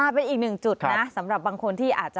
เป็นอีกหนึ่งจุดนะสำหรับบางคนที่อาจจะ